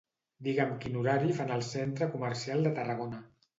Digue'm quin horari fan al centre comercial de Tarragona.